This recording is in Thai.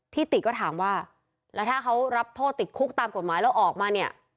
ติก็ถามว่าแล้วถ้าเขารับโทษติดคุกตามกฎหมายแล้วออกมาเนี่ย